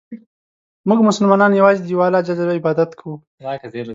مونږ مسلمانان یوازې د یو الله ج عبادت کوو.